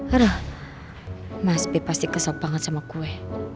aduh mas bi pasti kesel banget sama gue